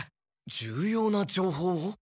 重要な情報を？